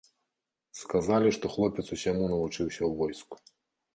Сказалі, што хлопец усяму навучыўся ў войску.